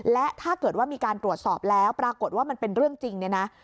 และถ้าเกิดว่ามีการตรวจสอบแล้วปรากฏว่ามันเป็นเรื่องจริงเนี่ยนะ